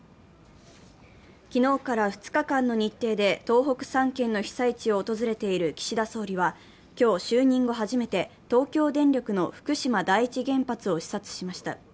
昨日から２日間の日程で東北３県の被災地を訪れている岸田総理は今日、就任後初めて東京電力の福島第一原発を視察しました。